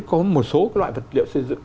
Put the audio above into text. có một số loại vật liệu xây dựng